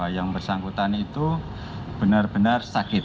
yang bersangkutan itu benar benar sakit